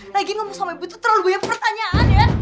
lagi ngomong sama ibu tuh terlalu banyak pertanyaan ya